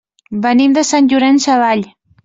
Venim de Sant Llorenç Savall.